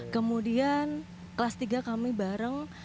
kemudian kelas tiga kami bareng